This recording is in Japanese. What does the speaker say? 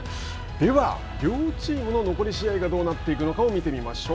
では、両チームの残り試合がどうなっていくのか見てみましょう。